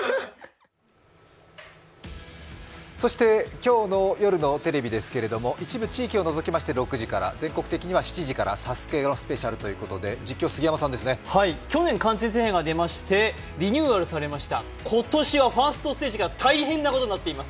今日の夜のテレビですけれども、一部地域を除きまして、６時から全国的には７時から「ＳＡＳＵＫＥ」のスペシャルということで去年、リニューアルされました、今年はファーストステージが大変なことになっています。